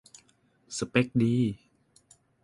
สเป็กดี